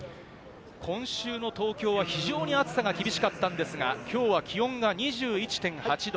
今週の東京は非常に暑さが厳しかったんですが、きょうは気温が２１．８度。